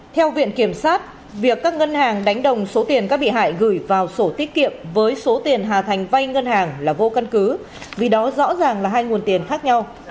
theo viện kiểm sát việc các ngân hàng đánh đồng số tiền các bị hại gửi vào sổ tiết kiệm với số tiền hà thành vay ngân hàng là vô căn cứ vì đó rõ ràng là hai nguồn tiền khác nhau